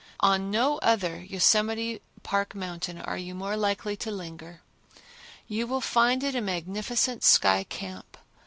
On no other Yosemite Park mountain are you more likely to linger. You will find it a magnificent sky camp.